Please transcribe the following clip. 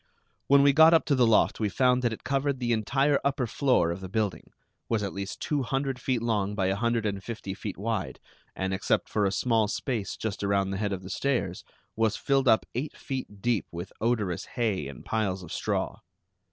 When we got up to the loft we found that it covered the entire upper floor of the building; was at least two hundred feet long by a hundred and fifty feet wide, and except for a small space just around the head of the stairs, was filled up eight feet deep with odorous hay and piles of straw.